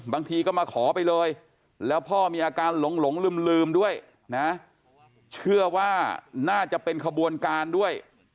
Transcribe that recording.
บางทีก็มาขอไปเลย